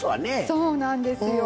そうなんですよ。